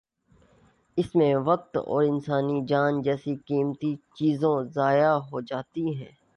اس میں وقت اور انسانی جان جیسی قیمتی چیزوں ضائع ہو جاتی ہیں۔